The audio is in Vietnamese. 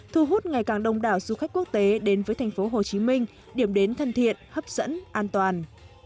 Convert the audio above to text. thu hút ngày càng đông đảo du khách quốc tế đến với thành phố hồ chí minh điểm đến thân thiện hấp dẫn an toàn